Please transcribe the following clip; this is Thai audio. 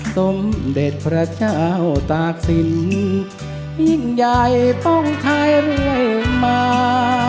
สมเด็จพระเจ้าตากสินยิ่งใหญ่ป้องทายเรียกมา